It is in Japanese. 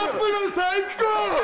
最高